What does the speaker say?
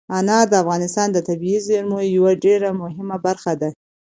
انار د افغانستان د طبیعي زیرمو یوه ډېره مهمه برخه ده.